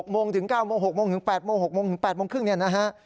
โมงถึง๙โมง๖โมงถึง๘โมง๖โมงถึง๘โมงครึ่งเนี่ยนะฮะ